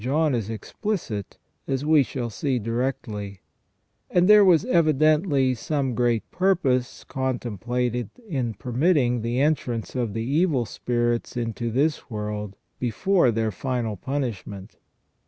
John is explicit, as we shall see directly; and there was evi dently some great purpose contemplated in permitting the entrance of the evil spirits into this world before their final punishment.